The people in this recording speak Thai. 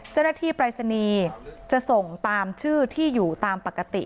เจ้าหน้าที่ปรายศนีจะส่งตามชื่อที่อยู่ตามปกติ